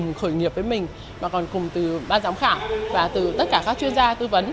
cùng khởi nghiệp với mình mà còn cùng từ ban giám khảo và từ tất cả các chuyên gia tư vấn